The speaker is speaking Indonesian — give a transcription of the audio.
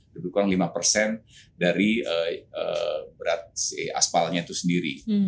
lebih kurang lima dari berat asfalnya itu sendiri